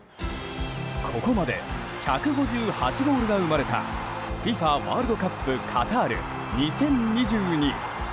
ここまで１５８ゴールが生まれたＦＩＦＡワールドカップカタール２０２２。